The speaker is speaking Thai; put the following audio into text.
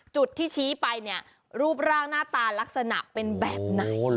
จุดที่ชี้ไปเนี่ยรูปร่างหน้าตาลักษณะเป็นแบบไหน